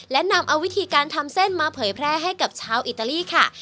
และนำเอาวิธีการทำเส้นมาเผยแพร่ให้กับชาวอิตาลีค่ะ